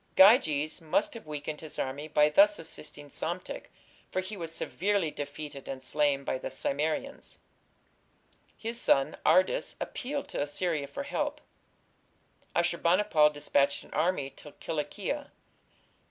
Gyges must have weakened his army by thus assisting Psamtik, for he was severely defeated and slain by the Cimmerians. His son, Ardys, appealed to Assyria for help. Ashur bani pal dispatched an army to Cilicia.